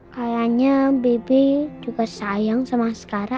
kayaknya bibik juga sayang sama askara